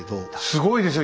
すごいですよ。